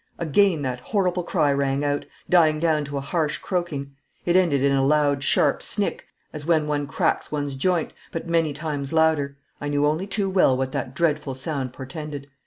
Again that horrible cry rang out, dying down to a harsh croaking. It ended in a loud, sharp snick, as when one cracks one's joint, but many times louder. I knew only too well what that dreadful sound portended.